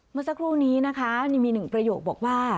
เมื่อสักครู่นี้นะคะนี่มีหนึ่งประโยคบอกว่า